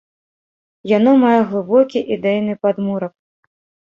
Яно мае глыбокі ідэйны падмурак.